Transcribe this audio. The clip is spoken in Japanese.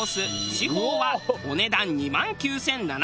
四宝はお値段２万９７００円。